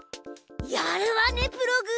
やるわねプログ！